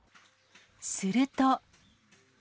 すると。